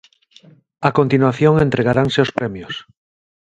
A continuación entregaranse os premios.